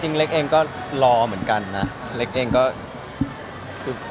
หรือเปล่าอย่างแปลงคนตั้งตารอลูกพูด